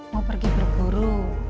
mau pergi berburu